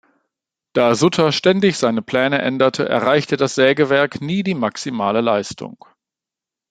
Da Sutter ständig seine Pläne änderte, erreichte das Sägewerk nie die maximale Leistung.